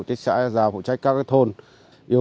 các quản quy ven